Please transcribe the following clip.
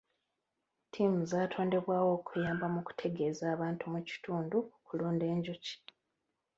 Ttiimu zaatondebwawo okuyamba mu kutegeeza abantu mu kitundu ku kulunda enjuki.